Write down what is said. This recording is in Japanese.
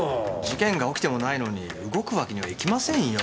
事件が起きてもないのに動くわけにはいきませんよ。